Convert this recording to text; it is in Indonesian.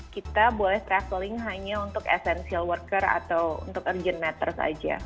kita boleh traveling hanya untuk essential worker atau untuk urgent matter saja